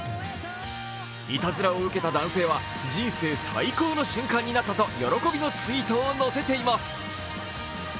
いたずらを受けた男性は人生最高の瞬間になったと喜びのツイートを載せています。